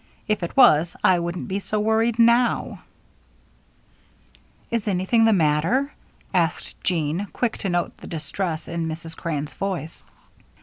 If it was, I wouldn't be so worried now." "Is anything the matter?" asked Jean, quick to note the distress in Mrs. Crane's voice.